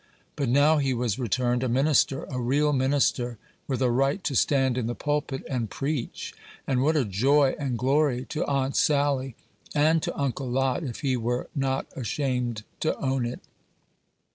But now he was returned, a minister a real minister, with a right to stand in the pulpit and preach; and what a joy and glory to Aunt Sally and to Uncle Lot, if he were not ashamed to own it!